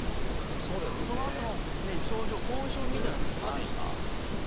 そのあとの症状後遺症みたいなのいかがでした？